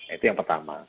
itu yang pertama